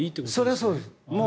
それはそうです。